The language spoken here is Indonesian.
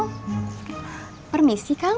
oh permisi kang